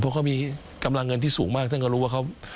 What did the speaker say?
เพราะเขามีกำลังเงินที่สูงมากท่านก็รู้ว่าเขา